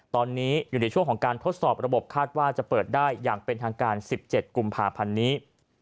ทดสอบระบบคาดว่าจะเปิดได้อย่างเป็นทางการ๑๗กุมภาพันธุ์นี้